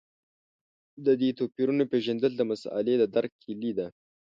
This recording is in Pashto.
د دې توپیرونو پېژندل د مسألې د درک کیلي ده.